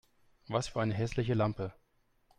Was für eine hässliche Lampe!